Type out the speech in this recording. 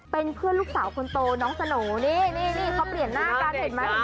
เป็นเพื่อนลูกสาวคนโตน้องสโหน่นี่นี่เขาเปลี่ยนหน้ากันเห็นไหม